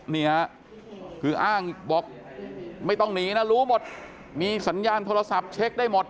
นี่ฮะคืออ้างบอกไม่ต้องหนีนะรู้หมดมีสัญญาณโทรศัพท์เช็คได้หมด